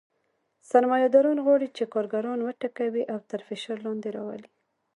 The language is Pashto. سرمایه داران غواړي چې کارګران وټکوي او تر فشار لاندې راولي